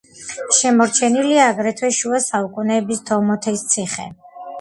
შემორჩენილია აგრეთვე შუა საუკუნეების „დემოთის ციხე“.